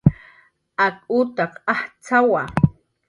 Ak utaq ajtz'awa